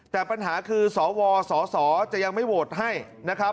แต่ปัญหาคือสวสสจะยังไม่โหวตให้นะครับ